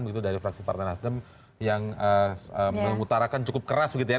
begitu dari fraksi partai nasdem yang mengutarakan cukup keras begitu ya